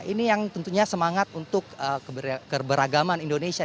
ini yang tentunya semangat untuk keberagaman indonesia